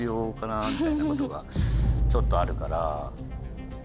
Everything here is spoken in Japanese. みたいなことがちょっとあるから。